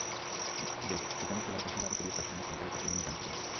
সেখানে চুলার পাশে দাঁড় করিয়ে তাঁর সামনে সরকারের কিছু গুণগান করুন।